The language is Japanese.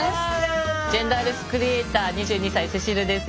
ジェンダーレスクリエイター２２歳聖秋流です。